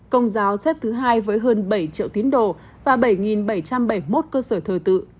công giáo xếp thứ hai với hơn bảy triệu tín đồ và bảy bảy trăm bảy mươi một cơ sở thờ tự